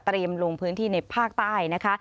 จะเตรียมลงพื้นที่ในภาคใต้นะคะ